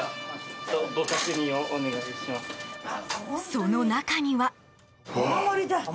その中には。